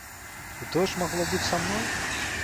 І тое ж магло быць са мной?